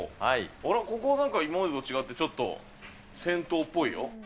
あっ、ここなんか今までと違って、ちょっと銭湯っぽいよ。